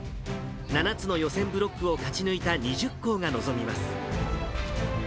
７つの予選ブロックを勝ち抜いた２０校が臨みます。